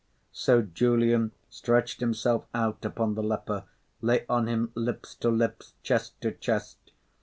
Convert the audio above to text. So Julian stretched himself out upon the leper, lay on him, lips to lips, chest to chest.